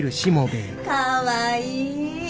かわいい。